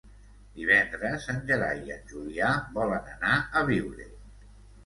Divendres en Gerai i en Julià volen anar a Biure.